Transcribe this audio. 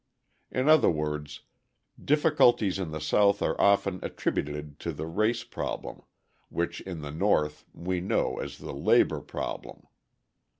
In other words, difficulties in the South are often attributed to the race problem which in the North we know as the labour problem.